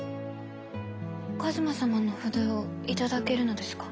一馬様の筆を頂けるのですか？